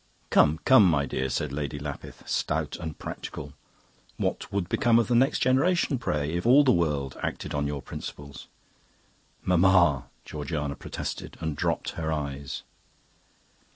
"'Come, come, my dear,' said Lady Lapith, stout and practical. 'What would become of the next generation, pray, if all the world acted on your principles?' "'Mamma!...' Georgiana protested, and dropped her eyes.